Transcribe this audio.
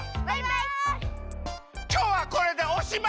きょうはこれでおしまい！